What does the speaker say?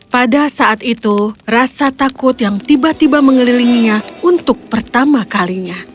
pada saat itu rasa takut yang tiba tiba mengelilinginya untuk pertama kalinya